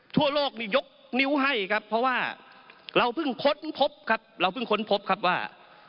ทั่วโลกมียกนิ้วให้ครับเพราะว่าเราเพิ่งค้นพบครับว่า